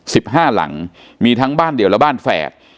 สิบห้าหลังมีทั้งบ้านเดียวและบ้านแฝด